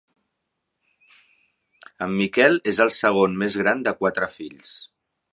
En Miquel és el segon més gran de quatre fills.